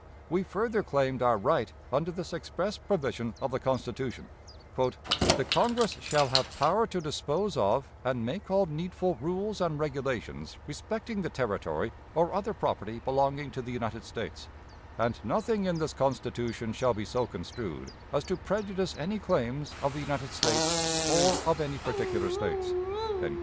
We further claimed our right under this express provision of the Constitution: "The Congress shall have power to dispose of and make all needful rules and regulations respecting the Territory or other property belonging to the United States; and nothing in this Constitution shall be so construed as to prejudice any claims of the United States or of any particular States."